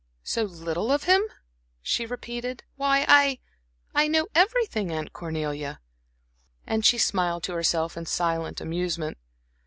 "So little of him," she repeated. "Why, I I know everything, Aunt Cornelia." And she smiled to herself in silent amusement.